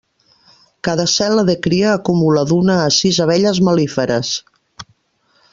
Cada cel·la de cria acumula d'una a sis abelles mel·líferes.